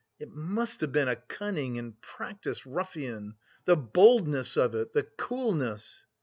"It must have been a cunning and practised ruffian! The boldness of it! The coolness!"